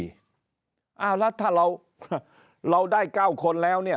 แล้วถ้าเราได้๙คนแล้วเนี่ย